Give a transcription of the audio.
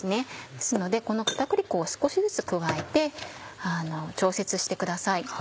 ですのでこの片栗粉を少しずつ加えて調節してください。